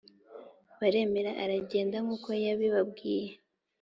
baremera aragenda nkuko yabibabwiye